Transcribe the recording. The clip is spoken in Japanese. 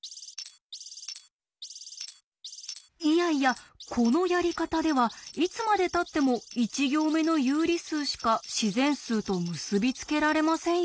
いやいやこのやり方ではいつまでたっても１行目の有理数しか自然数と結び付けられませんよね。